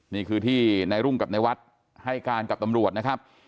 นี่คือที่ในรุ่งกับในวัดให้การกับตำรวจนะครับ